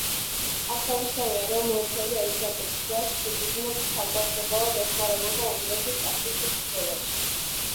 აღსანიშნავია, რომ ვენცელი ელიზაბეთის ვაჟს, სიგიზმუნდს თავდაუზოგავად ეხმარებოდა უნგრეთის ტახტისთვის ბრძოლაში.